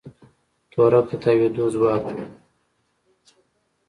تورک د تاوېدو ځواک دی.